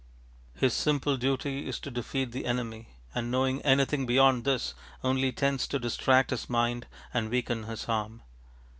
His simple duty is to defeat the enemy, and knowing anything beyond this only tends to distract his mind and weaken his arm.